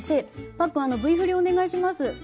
パックンあのＶ振りお願いします。